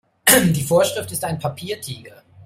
Die Vorschrift ist ein Papiertiger.